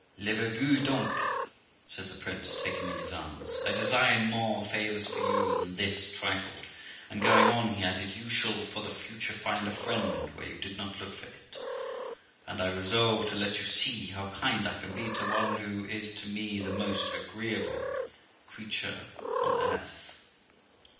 ' Levcz vous done', says the prince, taking me in his arms; 'I design more favours for you than this trifle '; and going on, he added, ' You shall for the future find a friend where you did not look for it, and I resolve to let you see how kind I can be to one who is to me the most agreeable creature on earth.'